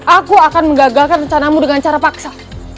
aku akan menggagalkan rencanamu dengan cara paksa